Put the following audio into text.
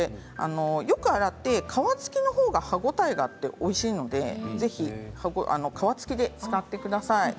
よく洗って皮付きの方が歯応えがあっておいしいのでぜひ、皮付きで使ってください。